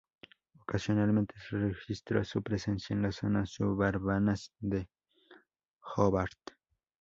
Ocasionalmente se registra su presencia en las zonas suburbanas de Hobart.